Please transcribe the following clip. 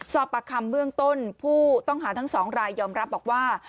ประคำเบื้องต้นผู้ต้องหาทั้ง๒รายยอมรับบอกว่า